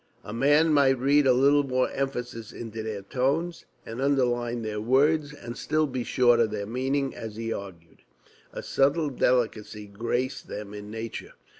A man might read a little more emphasis into their tones, and underline their words and still be short of their meaning, as he argued. A subtle delicacy graced them in nature.